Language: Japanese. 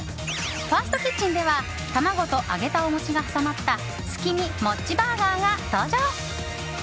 ファーストキッチンでは卵と揚げたお餅が挟まった月見もっちバーガーが登場。